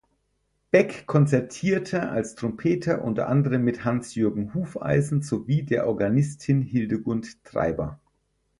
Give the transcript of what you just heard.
Beck konzertierte als Trompeter unter anderem mit Hans-Jürgen Hufeisen sowie der Organistin Hildegund Treiber.